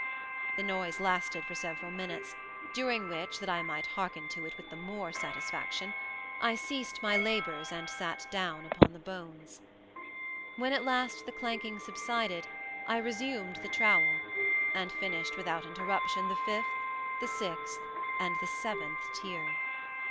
The noise lasted for several minutes, during which, that I might hearken to it with the more satisfaction, I ceased my labors and sat down upon the bones. When at last the clanking subsided, I resumed the trowel, and finished without interruption the fifth, the sixth, and the seventh tier.